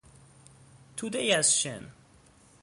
تودهای از شن